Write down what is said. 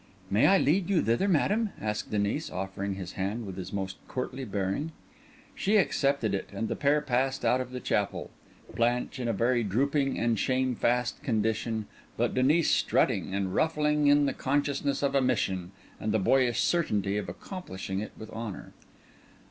"May I lead you thither, madam?" asked Denis, offering his hand with his most courtly bearing. She accepted it; and the pair passed out of the chapel, Blanche in a very drooping and shamefast condition, but Denis strutting and ruffling in the consciousness of a mission, and the boyish certainty of accomplishing it with honour.